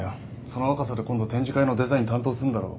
その若さで今度展示会のデザイン担当すんだろ？